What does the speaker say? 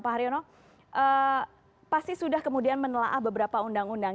pak haryono pasti sudah kemudian menelaah beberapa undang undang